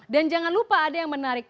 dan jangan lupa ada yang menarik